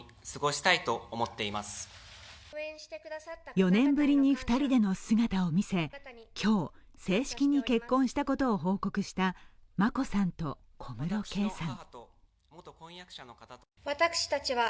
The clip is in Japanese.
４年ぶりに２人での姿を見せ、今日、正式に結婚したことを報告した眞子さんと小室圭さん。